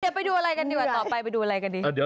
เดี๋ยวไปดูอะไรกันดีกว่าต่อไปไปดูอะไรกันดี